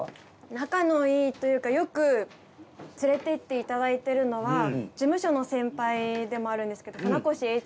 仲のいいというかよく連れていっていただいてるのは事務所の先輩でもあるんですけど。